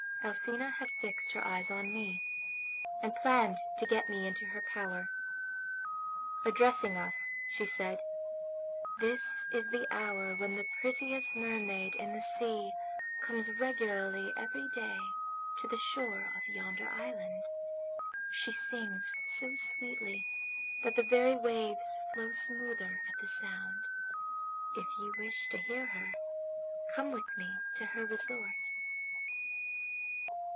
Alcina had fixed her eyes on me, and planned to get me into her power. Addressing us, she said: 'This is the hour when the prettiest mermaid in the sea comes regularly every day to the shore of yonder island. She sings so sweetly that the very waves flow smoother at the sound. If you wish to hear her come with me to her resort.'